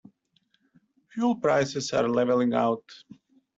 Fuel prices are leveling out.